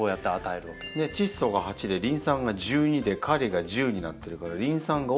チッ素が８でリン酸が１２でカリが１０になってるからリン酸が多い肥料